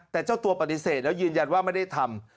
แต่เจ้าตัวปฏิเสธแล้วยืนยันว่าไม่ได้ทำ